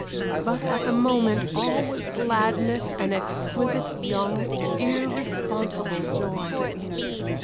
But at the moment all was gladness, and exquisite, young, irresponsible joy.